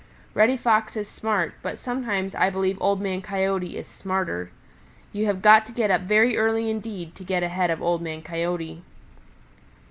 Reddy Fox is smart, but sometimes I believe Old Man Coyote is smarter. You have got to get up very early indeed to get ahead of Old Man Coyote.